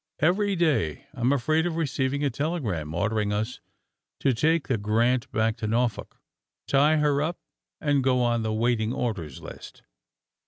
Every day I am afraid of receiving a telegram ordering us to take the ^ Grant' back to Norfolk, tie her up and go on the waiting orders' list."